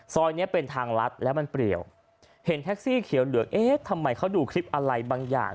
เนี้ยเป็นทางลัดแล้วมันเปรียวเห็นแท็กซี่เขียวเหลืองเอ๊ะทำไมเขาดูคลิปอะไรบางอย่าง